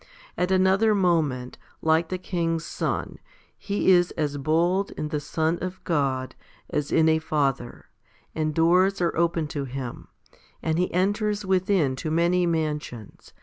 At another moment, like the king's son, he is as bold in the Son of God as in a father, and doors are opened to him, and he enters within to many mansions?